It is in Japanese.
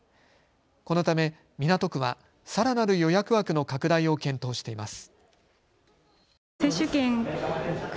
このため港区はさらなる予約枠の拡大を検討しています。